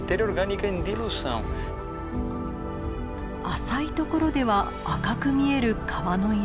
浅いところでは赤く見える川の色。